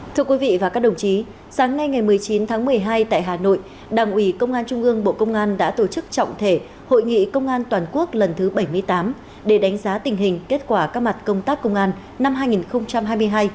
thưa quý vị và các đồng chí sáng nay ngày một mươi chín tháng một mươi hai tại hà nội đảng ủy công an trung ương bộ công an đã tổ chức trọng thể hội nghị công an toàn quốc lần thứ bảy mươi tám để đánh giá tình hình kết quả các mặt công tác công an năm hai nghìn hai mươi hai